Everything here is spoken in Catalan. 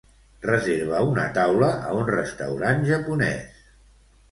Reserva una taula a un restaurant japonès.